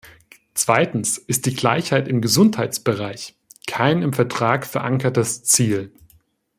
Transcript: Zweitens ist "Gleichheit im Gesundheitsbereich" kein im Vertrag verankertes Ziel.